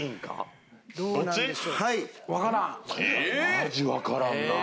マジわからんなあ。